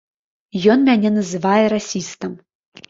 Ён мяне называе расістам.